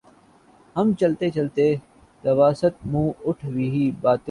ہم چلتے چلتے دوسآٹھ منہ آٹھ ہی باتیں